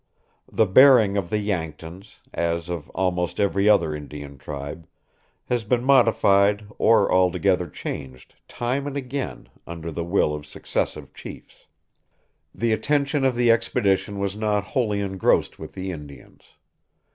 The bearing of the Yanktons, as of almost every other Indian tribe, has been modified or altogether changed, time and again, under the will of successive chiefs. The attention of the expedition was not wholly engrossed with the Indians.